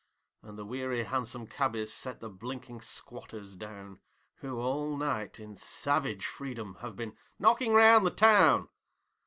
And the weary hansom cabbies set the blinking sqautters down, Who, all night, in savage freedom, have been 'knocking round the town'.